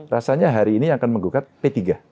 rasanya hari ini akan menggugat p tiga